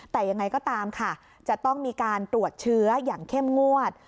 แต่ยังไงก็ตามค่ะจะต้องมีการตรวจเชื้ออย่างเข้มงวด